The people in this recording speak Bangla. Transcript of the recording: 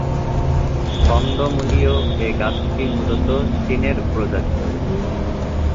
কন্দমূলীয় এ গাছটি মূলত চীনের প্রজাতি।